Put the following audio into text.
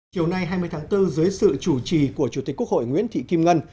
chiều nay hai mươi tháng bốn dưới sự chủ trì của chủ tịch quốc hội nguyễn thị kim ngân